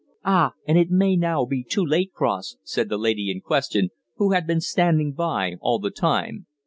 "Ah! and it may now be too late, Cross," said the lady in question, who had been standing by all the time.